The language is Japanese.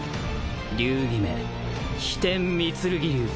流儀名飛天御剣流。